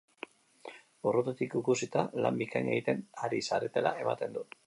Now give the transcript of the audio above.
Urrutitik ikusita, lan bikaina egiten ari zaretela ematen du!